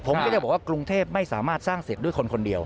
ผมก็จะบอกว่ากรุงเทพไม่สามารถสร้างเสร็จด้วยคนคนเดียว